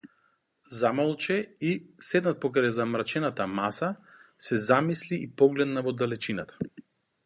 Замолче и, седнат покрај замрачената маса, се замисли и погледна во далечината.